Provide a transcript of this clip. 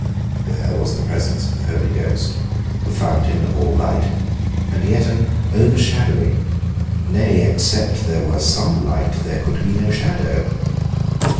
There was the presence of the Holy Ghost, the fountain of all light, and yet an overshadowing; nay, except there were some light, there could be no shadow.